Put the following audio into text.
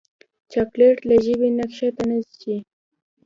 چاکلېټ له ژبې نه کښته نه شي.